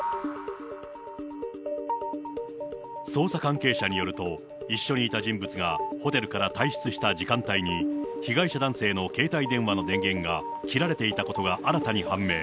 捜査関係者によると、一緒にいた人物がホテルから退室した時間帯に、被害者男性の携帯電話の電源が切られていたことが新たに判明。